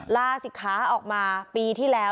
ลาสิทธิ์ค้าออกมาปีที่แล้ว